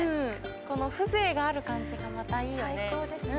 この風情がある感じがまたいいよね。